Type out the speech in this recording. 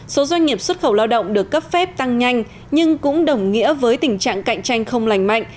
số doanh nghiệp xuất khẩu lao động được cấp phép tăng nhanh nhưng cũng đồng nghĩa với tình trạng cạnh tranh không lành mạnh